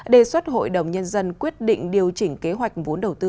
đề xuất hội đồng nhân dân quyết định điều chỉnh kế hoạch vốn đầu tư